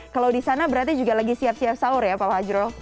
kalau di sana berarti juga lagi siap siap sahur ya pak fajro